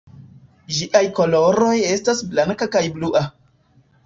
Ĝiaj koloroj estas blanka kaj blua.